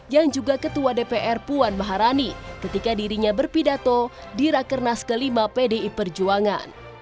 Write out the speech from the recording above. yang juga ketua dpr puan maharani ketika dirinya berpidato di rakernas ke lima pdi perjuangan